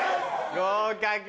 合格。